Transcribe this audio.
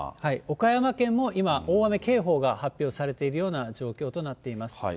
岡山県も今、大雨警報が発表されているような状況となっています。